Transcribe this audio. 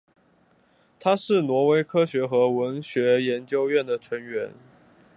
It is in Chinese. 他是挪威科学和文学研究院的成员。